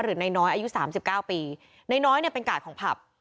นายน้อยอายุสามสิบเก้าปีนายน้อยเนี่ยเป็นกาดของผับ